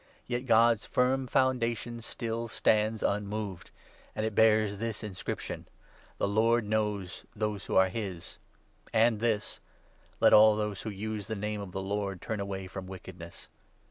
Yet God's firm foundation 19 still stands unmoved, and it bears this inscription — •THE LORD KNOWS THOSE WHO ARE HIS'; and this —' LET ALL THOSE WHO USE THE NAME OF THE LORD TURN AWAY FROM WICKEDNESS.'